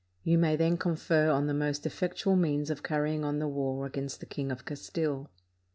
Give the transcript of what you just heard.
You may then confer on the most effectual means of carrying on the war against the King of Castile."